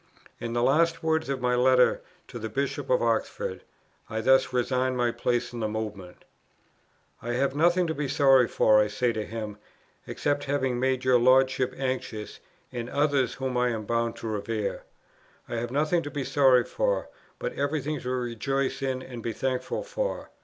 In the last words of my letter to the Bishop of Oxford I thus resigned my place in the Movement: "I have nothing to be sorry for," I say to him, "except having made your Lordship anxious, and others whom I am bound to revere. I have nothing to be sorry for, but everything to rejoice in and be thankful for.